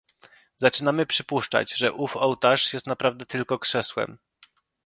"Zaczynamy przypuszczać, że ów ołtarz jest naprawdę tylko krzesłem."